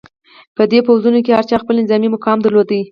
په دې پوځونو کې هر چا خپل نظامي مقام درلود.